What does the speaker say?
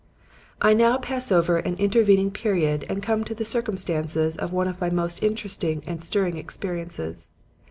"I now pass over an intervening period and come to the circumstances of one of my most interesting and stirring experiences.